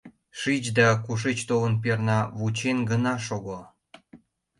Шич да, кушеч толын перна, вучен гына шого.